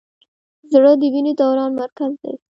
زړه د وینې دوران مرکز دی.